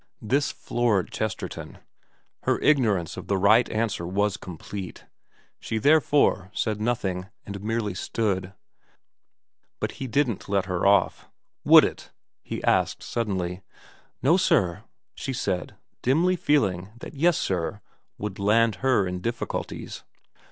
This floored Chesterton. Her ignorance of the right answer was complete. She therefore said nothing, and merely stood. But he didn't let her off. * Would it ?' he asked suddenly. ' No sir,' she said, dimly feeling that ' Yes sir ' would land her in difficulties.